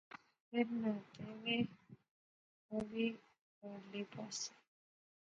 فیر ناطے وہے تہ او وی پارلے پاسے